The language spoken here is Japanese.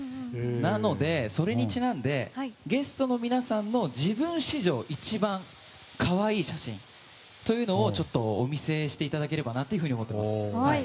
なので、それにちなんでゲストの皆さんの自分史上一番可愛い写真というのをちょっとお見せしていただければなと思ってます。